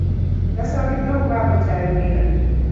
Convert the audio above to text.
Yasabiddwa okubaako ky'ayogera.